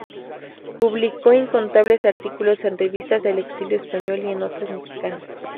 Publicó incontables artículos en revistas del exilio español y en otras mexicanas.